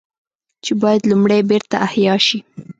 چې بايد لومړی بېرته احياء شي